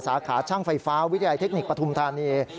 สาขาช่างไฟฟ้าวิทยาลัยเทคนิคปฐุมธานี